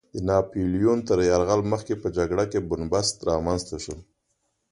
د ناپیلیون تر یرغل مخکې په جګړه کې بن بست رامنځته شو.